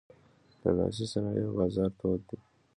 د لاسي صنایعو بازار تود دی.